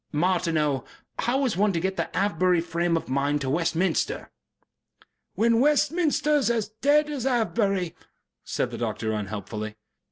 Martineau, how is one to get the Avebury frame of mind to Westminster?" "When Westminster is as dead as Avebury," said the doctor, unhelpfully.